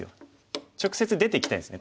直接出ていきたいんですね